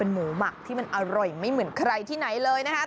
หมูหมักที่มันอร่อยไม่เหมือนใครที่ไหนเลยนะคะ